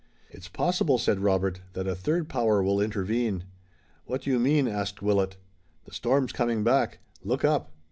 "It's possible,"' said Robert, "that a third power will intervene." "What do you mean?" asked Willet. "The storm's coming back. Look up!"